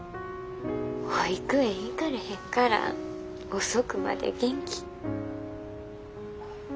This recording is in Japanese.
保育園行かれへんから遅くまで元気。